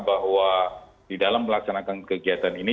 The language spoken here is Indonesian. bahwa di dalam melaksanakan kegiatan ini